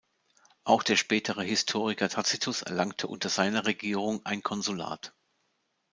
Auch der spätere Historiker Tacitus erlangte unter seiner Regierung ein Konsulat.